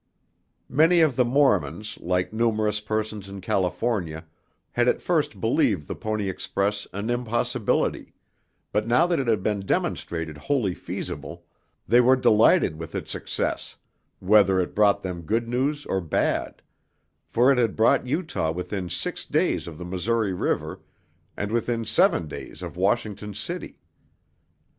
Many of the Mormons, like numerous persons in California, had at first believed the Pony Express an impossibility, but now that it had been demonstrated wholly feasible, they were delighted with its success, whether it brought them good news or bad; for it had brought Utah within six days of the Missouri River and within seven days of Washington City.